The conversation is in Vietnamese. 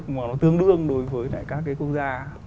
mà nó tương đương đối với các cái quốc gia